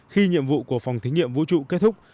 khi nhiệm vụ của phòng thí nghiệm vũ trụ kết thúc